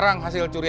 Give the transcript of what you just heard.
bapak bisa mencoba